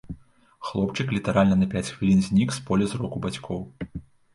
Хлопчык літаральна на пяць хвілін знік з поля зроку бацькоў.